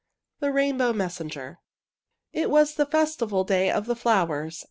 THE RAINBOW MESSENGER It was the festival day of the flowers.